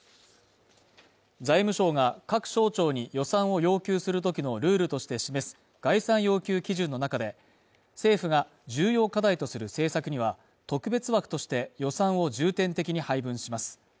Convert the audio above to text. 財務省が各省庁に予算を要求するときのルールとして示す概算要求基準の中で、政府が重要課題とする政策には特別枠として予算を重点的に配分します。